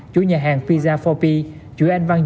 chuỗi nhà hàng pizza bốn p